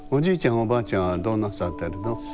おばあちゃんはどうなさってるの？